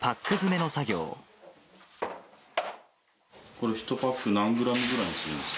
これ、１パック何グラムぐらいにするんですか？